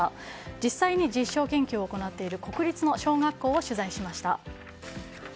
実際に実証研究を行っている国立の小学校を取材しました。